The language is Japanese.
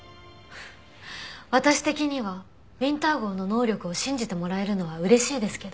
私的にはウィンター号の能力を信じてもらえるのは嬉しいですけど。